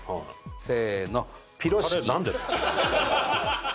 せーの。